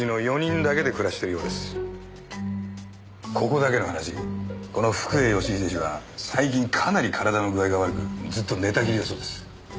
ここだけの話この福栄義英氏は最近かなり体の具合が悪くずっと寝たきりだそうです。